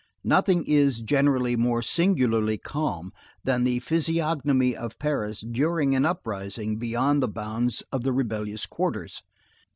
Nothing is, generally, more singularly calm than the physiognomy of Paris during an uprising beyond the bounds of the rebellious quarters.